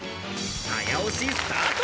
早押しスタート。